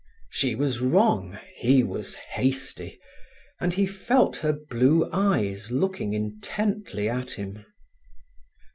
She was wrong, he was hasty; and he felt her blue eyes looking intently at him.